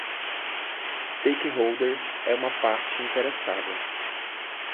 Stakeholder é uma parte interessada.